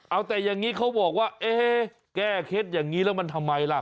เอาแต่อย่างนี้เขาบอกว่าเอ๊แก้เคล็ดอย่างนี้แล้วมันทำไมล่ะ